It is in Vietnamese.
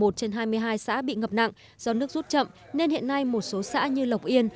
một mươi trên hai mươi hai xã bị ngập nặng do nước rút chậm nên hiện nay một số xã như lộc yên